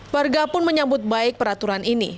warga pun menyambut baik peraturan ini